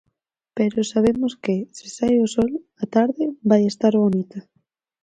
Pero sabemos que, se sae o sol, a tarde vai estar bonita.